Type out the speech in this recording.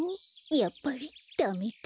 やっぱりダメだ。